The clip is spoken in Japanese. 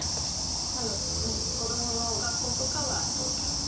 なので子どもの学校とかは東京。